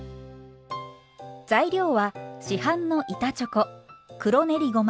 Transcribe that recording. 材料は市販の板チョコ黒練りごま